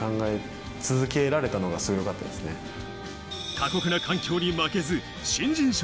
過酷な環境に負けず、新人賞